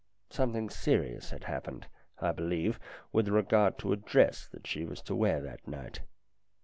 Something serious had happened, I believe, with regard to a dress that she was to wear that night.